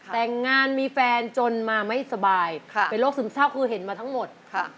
แต่งงานมีแฟนจนมาไม่สบายเป็นโรคซึมเศร้าคือเห็นมาทั้งหมด